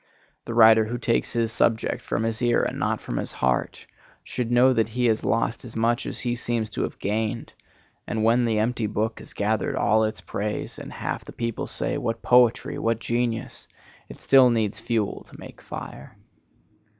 The writer who takes his subject from his ear and not from his heart, should know that he has lost as much as he seems to have gained, and when the empty book has gathered all its praise, and half the people say, 'What poetry! what genius!' it still needs fuel to make fire.